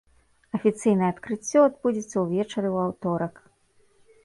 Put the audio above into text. Афіцыйнае адкрыццё адбудзецца ўвечары ў аўторак.